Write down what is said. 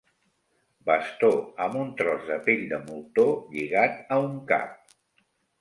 Bastó amb un tros de pell de moltó lligat a un cap.